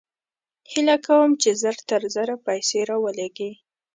هېله کوم چې زر تر زره پیسې راولېږې